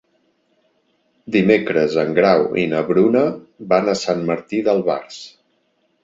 Dimecres en Grau i na Bruna van a Sant Martí d'Albars.